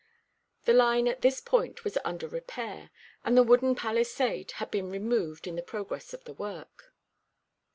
The line at this point was under repair, and the wooden palisade had been removed in the progress of the work.